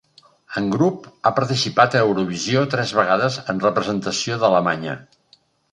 En grup ha participat a Eurovisió tres vegades en representació d'Alemanya.